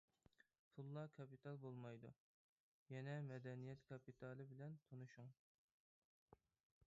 پۇللا كاپىتال بولمايدۇ، يەنە مەدەنىيەت كاپىتالى بىلەن تونۇشۇڭ.